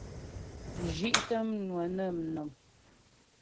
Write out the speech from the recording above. Zhí'tə mnwə nə mnɔ̀m.